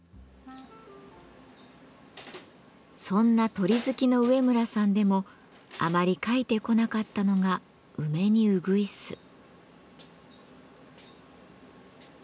そんな鳥好きの上村さんでもあまり描いてこなかったのが「梅にうぐいす」。